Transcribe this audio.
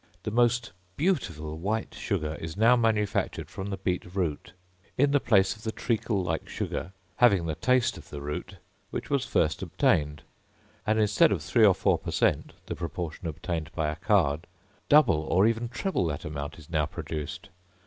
The most beautiful white sugar is now manufactured from the beet root, in the place of the treacle like sugar, having the taste of the root, which was first obtained; and instead of 3 or 4 per cent., the proportion obtained by Achard, double or even treble that amount is now produced.